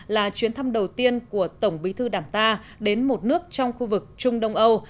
là chuyến thăm đầu tiên của tổng bí thư đảng ta đến một nước trong khu vực trung đông âu